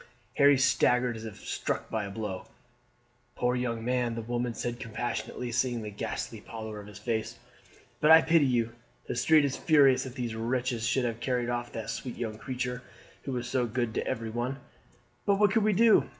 Harry staggered as if struck with a blow. "Poor young man," the woman said compassionately, seeing the ghastly pallor of his face, "but I pity you. The street is furious that these wretches should have carried off that sweet young creature, who was so good to everyone; but what could we do?